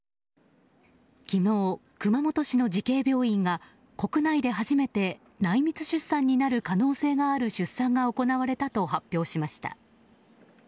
昨日、熊本市の慈恵病院が国内で初めて内密出産になる可能性がある出産が行われたと発表しました。